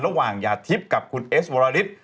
ระหว่างยาทิศกับคุณเอสโวราลิส